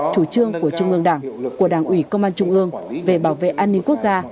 chủ trương của trung ương đảng của đảng ủy công an trung ương về bảo vệ an ninh quốc gia